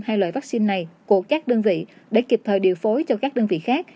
hai loại vaccine này của các đơn vị để kịp thời điều phối cho các đơn vị khác